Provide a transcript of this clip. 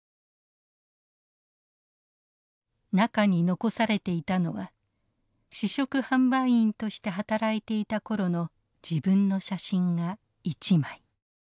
中に残されていたのは試食販売員として働いていた頃の自分の写真が一枚。